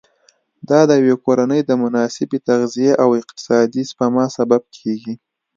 دا د یوې کورنۍ د مناسبې تغذیې او اقتصادي سپما سبب کېږي.